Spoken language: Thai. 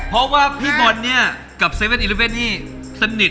เพราะว่าพี่บอลเนี่ยกับ๗๑๑นี่สนิท